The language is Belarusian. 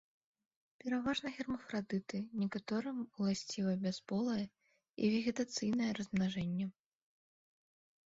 Пераважна гермафрадыты, некаторым уласціва бясполае і вегетацыйнае размнажэнне.